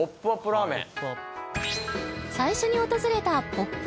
ラーメン